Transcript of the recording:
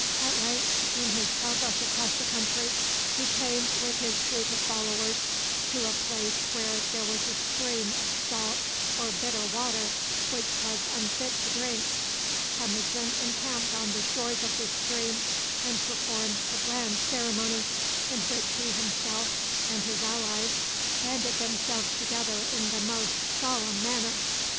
At length, in his progress across the country, he came with his troop of followers to a place where there was a stream of salt or bitter water which was unfit to drink. Temujin encamped on the shores of this stream, and performed a grand ceremony, in which he himself and his allies banded themselves together in the most solemn manner.